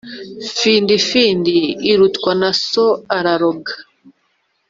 Findifindi irutwa na So araroga